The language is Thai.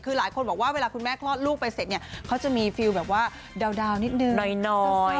คือหลายคนบอกว่าเวลาคุณแม่คลอดลูกไปเสร็จเนี่ยเขาจะมีฟิลแบบว่าดาวนิดนึงน้อย